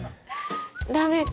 ダメか。